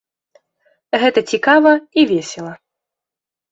Гэта цікава і весела.